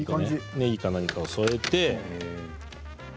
ねぎか何かを添えて。